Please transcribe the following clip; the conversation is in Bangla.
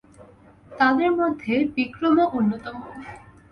তাদের মধ্যে বিক্রমও অন্যতম।